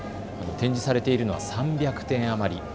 展示されているのは３００点余り。